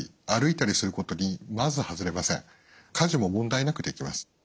家事も問題なくできます。